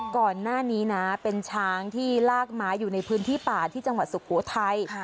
ก่อนหน้านี้นะเป็นช้างที่ลากม้าอยู่ในพื้นที่ป่าที่จังหวัดสุโขทัย